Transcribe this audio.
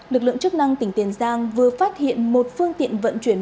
lực lượng chức năng tỉnh tiền giang vừa phát hiện một phương tiện vận chuyển